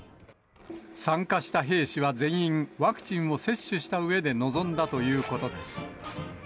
参加した兵士は全員、ワクチンを接種したうえで臨んだということです。